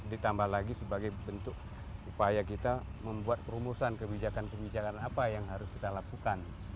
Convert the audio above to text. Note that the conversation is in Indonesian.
ditambah lagi sebagai bentuk upaya kita membuat perumusan kebijakan kebijakan apa yang harus kita lakukan